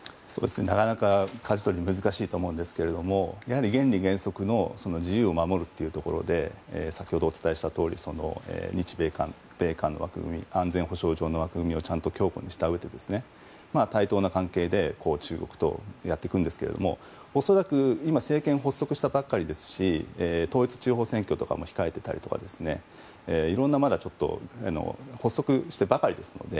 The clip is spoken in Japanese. なかなか、かじ取りが難しいと思うんですがやはり原理原則の自由を守るというところで先ほどお伝えしたとおり日米韓、米韓の枠組み安全保障の枠組みを強固にしたうえで対等な関係で中国とやっていくんですけども恐らく今政権発足したばかりですし統一地方選挙とかも控えていたりまだ発足したばかりですので。